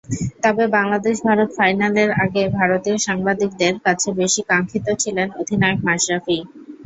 তবে বাংলাদেশ-ভারত ফাইনালের আগে ভারতীয় সাংবাদিকদের কাছে বেশি কাঙ্ক্ষিত ছিলেন অধিনায়ক মাশরাফিই।